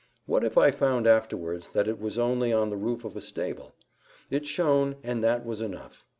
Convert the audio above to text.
What if I found afterwards that it was only on the roof of a stable? It shone, and that was enough.